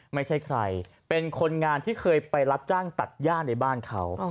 ไม่ใช่ใครเป็นคนงานที่เคยไปรับจ้างตัดย่าในบ้านเขา